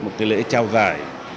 một cái lễ trao giải